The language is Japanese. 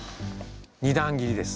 ２段切りです。